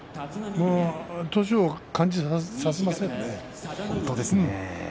年を感じさせませんね。